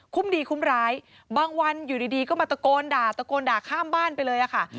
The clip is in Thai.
ดีคุ้มร้ายบางวันอยู่ดีก็มาตะโกนด่าตะโกนด่าข้ามบ้านไปเลยค่ะ